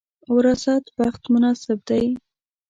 وراثت بخت مناسب دی.